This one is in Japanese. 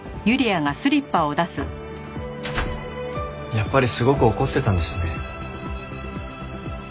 やっぱりすごく怒ってたんですね。